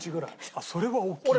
あっそれは大きいわ。